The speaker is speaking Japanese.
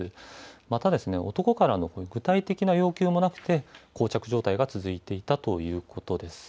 また男からの具体的な要求もなくてこう着状態が続いてたいということです。